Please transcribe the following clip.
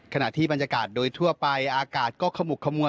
ขณะที่บรรยากาศโดยทั่วไปอากาศก็ขมุกขมัว